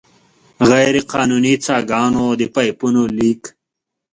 غیرقانوني څاګانو، د پایپونو لیک.